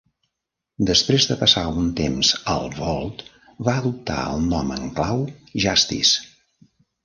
Després de passar un temps al Vault, va adoptar el nom en clau Justice.